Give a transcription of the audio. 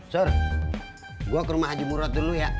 sur gua ke rumah haji murad dulu ya